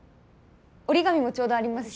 折り紙もちょうどありますし。